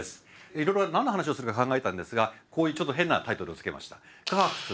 いろいろ何の話をするか考えたんですがこういうちょっと変なタイトルを付けました。